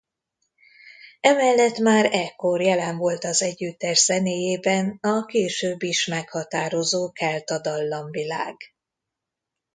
Emellett már ekkor jelen volt az együttes zenéjében a később is meghatározó kelta dallamvilág.